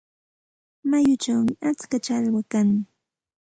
Mayuchawmi atska challwa kan.